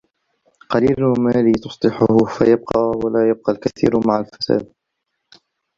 قليل المال تصلحه فيبقى ولا يبقى الكثير مع الفساد